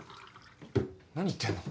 何言ってんの？